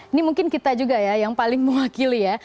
ini mungkin kita juga ya yang paling mewakili ya